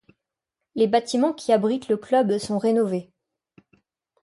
Les bâtiments qui abritent le club sont rénovés.